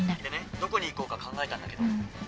でねどこに行こうか考えたんだけど